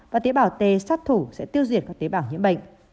và tế bào t sát thủ sẽ tiêu diệt các tế bào nhiễm bệnh